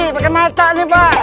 pake mata nih pak